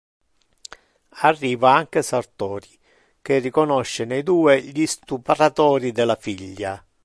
Arriva anche Sartori, che riconosce nei due gli stupratori della figlia.